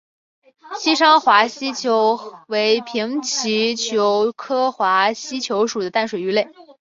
西昌华吸鳅为平鳍鳅科华吸鳅属的淡水鱼类。